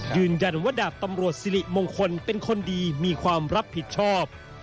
ยืนยันว่าดาบตำรวจสิริมงคลเป็นคนดีมีความรับผิดชอบ